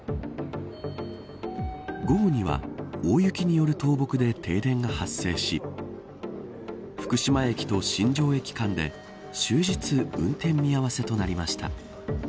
午後には大雪による倒木で停電が発生し福島駅と新庄駅間で終日運転見合わせとなりました。